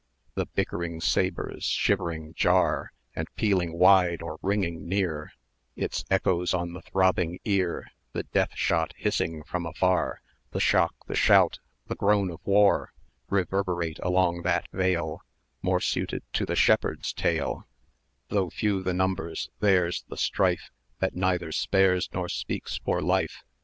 The bickering sabres' shivering jar; And pealing wide or ringing near Its echoes on the throbbing ear, The deathshot hissing from afar; The shock, the shout, the groan of war, 640 Reverberate along that vale, More suited to the shepherd's tale: Though few the numbers theirs the strife, That neither spares nor speaks for life!